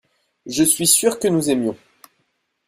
Je suis sûr que nous aimions.